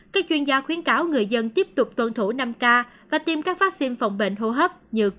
các chuyên gia khuyến cáo người dân tiếp tục tuân thủ năm k và tiêm các vaccine phòng bệnh hô hấp như k